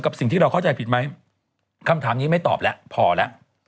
สิ่งที่เราเข้าใจผิดไหมคำถามนี้ไม่ตอบแล้วพอแล้ว